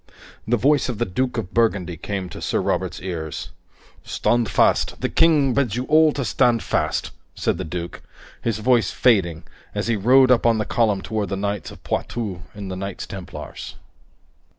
The voice of the Duke of Burgundy came to Sir Robert's ears. "Stand fast. The King bids you all to stand fast," said the duke, his voice fading as he rode on up the column toward the knights of Poitou and the Knights Templars.